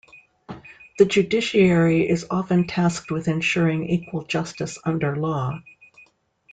The Judiciary is often tasked with ensuring equal justice under law.